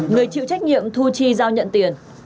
người chịu trách nhiệm thu chi giao nhận tiền